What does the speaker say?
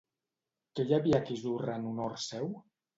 Què hi havia a Kisurra en honor seu?